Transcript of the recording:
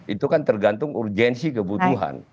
itu kan tergantung urgensi kebutuhan